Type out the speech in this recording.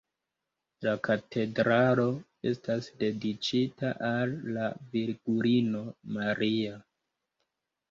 La katedralo estas dediĉita al la Virgulino Maria.